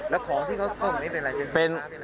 แล้วของที่เขาเข้ามานี่เป็นอะไรเป็น